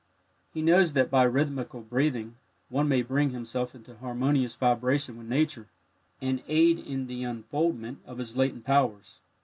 He knows that by rhythmical breathing one may bring himself into harmonious vibration with nature, and aid in the unfoldment of his latent powers.